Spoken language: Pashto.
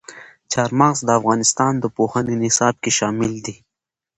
چار مغز د افغانستان د پوهنې نصاب کې شامل دي.